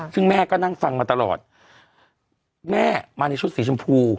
ซึ่งแม่ก็นั่งฟังมาตลอดแม่มาในชุดสีชมพู